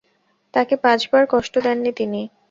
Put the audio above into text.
তাকে পাঁচবার কষ্ট দেননি তিনি।